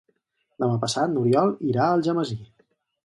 Demà passat n'Oriol irà a Algemesí.